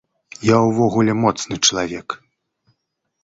Я ўвогуле моцны чалавек.